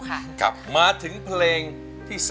อันดับนี้เป็นแบบนี้